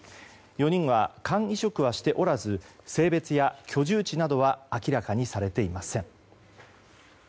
４人は肝移植はしておらず性別や居住地などは明らかにされていません。